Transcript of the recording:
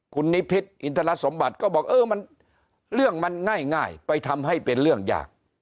คุณนิพิษอินทรสมบัติก็บอกเออมันเรื่องมันง่ายไปทำให้เป็นเรื่องยาก